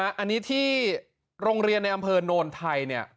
อันนี้ที่โรงเรียนในอำเภอโนนไทยเนี่ย